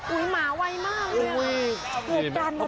อุ๊ยหมาวัยมากเลยอ่ะ